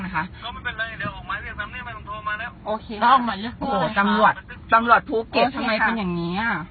ก็ทุบร้อยนะคะ